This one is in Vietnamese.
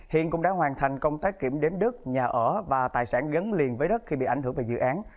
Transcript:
hiện cũng đã hoàn thành công tác kiểm đếm đất nhà ở và tài sản gắn liền với đất khi bị ảnh hưởng về dự án